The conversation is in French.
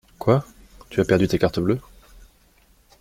Quoi? Tu as perdu ta carte bleue ?